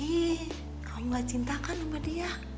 ih kamu gak cintakan sama dia